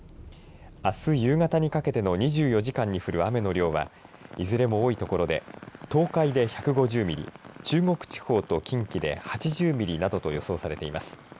あす夕方にかけての２４時間に降る雨の量は、いずれも多い所で東海で１５０ミリ中国地方と近畿で８０ミリなどと予想されています。